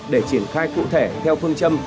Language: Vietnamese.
để triển khai cụ thể theo phương châm